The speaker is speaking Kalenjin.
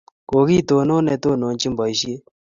Kokitonon netononchini Boishet